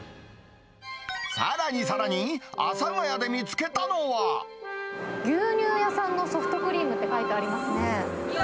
さらにさらに、牛乳屋さんのソフトクリームって書いてありますね。